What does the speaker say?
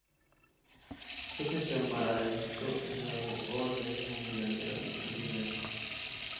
Puedes llamar a esto el nuevo orden mundial de la lucha libre, hermano!".